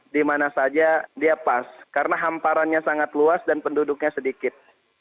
dimana saja dia pas karena hamparannya sangat luas dan penduduknya sedikit